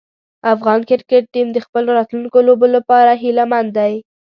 افغان کرکټ ټیم د خپلو راتلونکو لوبو لپاره هیله مند دی.